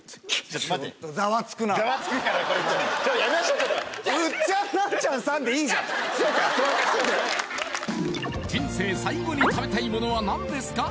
ちょっと人生最後に食べたいものは何ですか？